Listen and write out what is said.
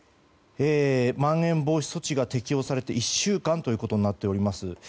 まん延防止措置が適用されて１週間となっております。